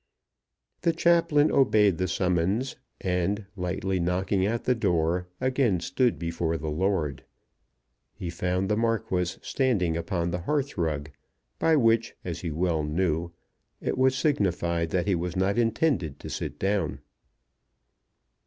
The chaplain obeyed the summons, and, lightly knocking at the door, again stood before the lord. He found the Marquis standing upon the hearth rug, by which, as he well knew, it was signified that he was not intended to sit down.